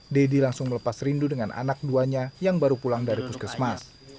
deddy langsung melepas rindu dengan anak duanya yang baru pulang dari puskesmas